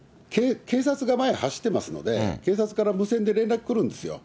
警察が前を走っていますので、警察から無線で連絡来るんですよ。